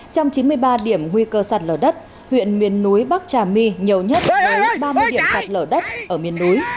trong chín mươi ba điểm nguy cơ sạt lở đất huyện miền núi bắc trà my nhiều nhất có ba mươi điểm sạt lở đất ở miền núi